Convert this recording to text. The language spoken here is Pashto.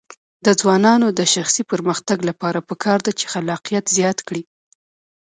د ځوانانو د شخصي پرمختګ لپاره پکار ده چې خلاقیت زیات کړي.